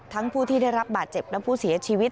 ผู้ที่ได้รับบาดเจ็บและผู้เสียชีวิต